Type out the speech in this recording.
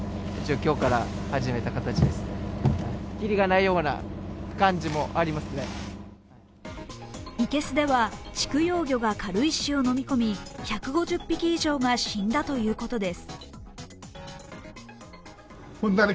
いけすでは畜養魚が軽石をのみこみ、１５０匹以上が死んだということです。